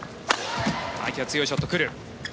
相手は強いショットが来る。